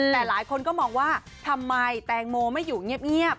แต่หลายคนก็มองว่าทำไมแตงโมไม่อยู่เงียบ